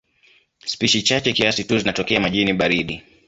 Spishi chache kiasi tu zinatokea majini baridi.